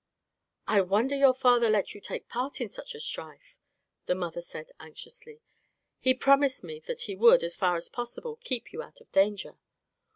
"I wonder your father let you take part in such strife," the mother said anxiously; "he promised me that he would, as far as possible, keep you out of danger."